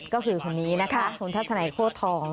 ก็คือคนนี้นะคะคุณทัศนัยโคตรทอง